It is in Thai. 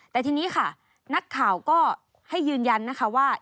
แต่ทีนี้ค่ะนักข่าวก็ให้ยืนยันนะคะว่า